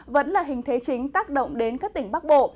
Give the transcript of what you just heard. vẫn là hình thế chính tác động đến các tỉnh bắc bộ